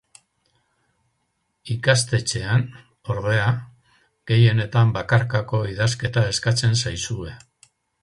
Ikastetxean, ordea, gehienetan bakarkako idazketa eskatzen zaizue.